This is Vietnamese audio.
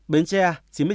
bến tre chín mươi chín ca